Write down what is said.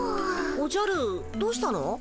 おじゃるどうしたの？